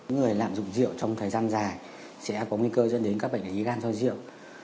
người lạm dụng rượu trong thời gian dài sẽ có nguy cơ dẫn đến các bệnh lý gan do rượu